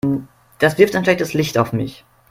Das wirft ein schlechtes Licht auf mich.